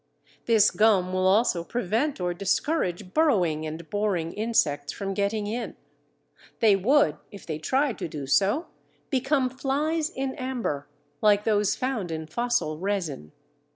This gum will also prevent or discourage burrowing and boring insects from getting in; they would, if they tried to do so, become "flies in amber," like those found in fossil resin.